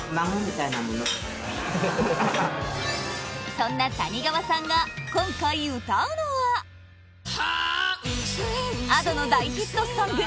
そんな谷川さんが今回歌うのはＡｄｏの大ヒットソング